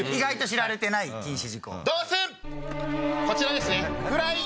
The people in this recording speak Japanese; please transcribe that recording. こちらですね。